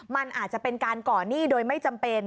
มันอาจจะเป็นการก่อนหนี้โดยไม่จำเป็น